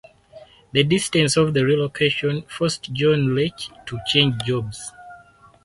The distance of the relocation forced John Lech to change jobs.